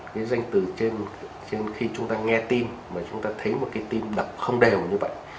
cái danh từ trên khi chúng ta nghe tim mà chúng ta thấy một cái tim đập không đều như vậy